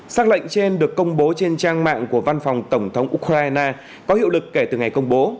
xác lệnh trên được công bố trên trang mạng của văn phòng tổng thống ukraine có hiệu lực kể từ ngày công bố